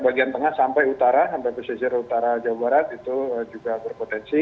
bagian tengah sampai utara sampai pesisir utara jawa barat itu juga berpotensi